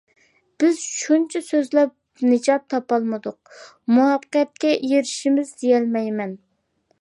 بىز شۇنچە سۆزلەپ نىجات تاپالمىدۇق، مۇۋەپپەقىيەتكە ئېرىشىمىز دېيەلمەيمەن.